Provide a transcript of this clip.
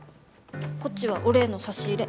こっちはお礼の差し入れ。